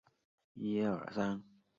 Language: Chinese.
徽州状元饭以他为名。